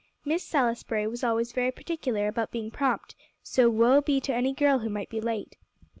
Miss Salisbury was always very particular about being prompt, so woe be to any girl who might be late!